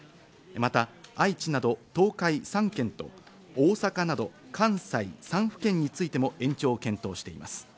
また、愛知など東海３県と大阪など関西３府県についても延長を検討しています。